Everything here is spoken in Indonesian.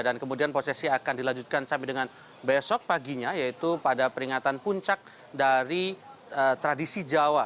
dan kemudian prosesi akan dilanjutkan sampai dengan besok paginya yaitu pada peringatan puncak dari tradisi jawa